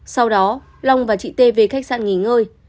sau đó long và chị t về khách sạn nghỉ ngơi